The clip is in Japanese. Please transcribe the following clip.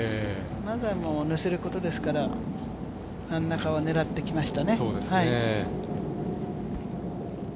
まずはのせることですから、真ん中を狙ってきましたね。